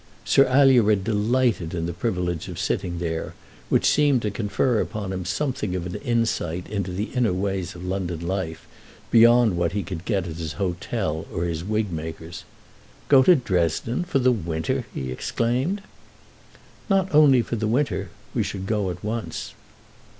Sir Alured delighted in the privilege of sitting there, which seemed to confer upon him something of an insight into the inner ways of London life beyond what he could get at his hotel or his wigmaker's. "Go to Dresden; for the winter!" he exclaimed. "Not only for the winter. We should go at once."